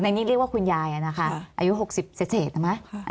อันนี้เรียกว่าคุณยายนะคะอายุ๖๐เศษนะมั้ย